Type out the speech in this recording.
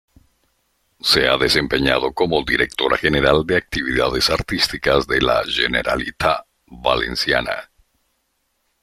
Se ha desempeñado como Directora general de Actividades Artísticas de la Generalitat Valenciana.